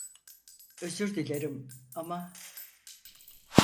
Özür dilerim, ama…